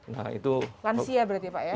lansia berarti ya pak ya